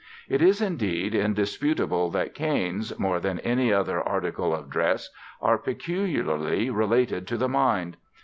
It is, indeed, indisputable that canes, more than any other article of dress, are peculiarly related to the mind.